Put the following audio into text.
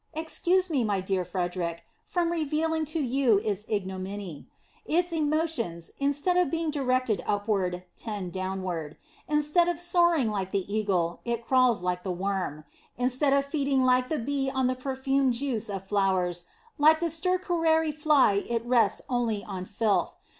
Excuse me, my dear Fred eric, from revealing to you its ignominy. Its emotions, instead of being directed upward, tend downward. Instead of soaring like the <_> eagle, it crawls like the worm; instead of feeding like the bee on the perfumed juice of flowers, like the stercorary fly it rests only on filth.